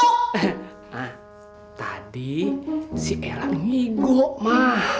eh ma tadi si elang nyeh gohok ma